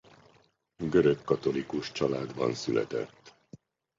Görögkatolikus családban született.